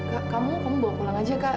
kak kamu kamu bawa pulang aja kak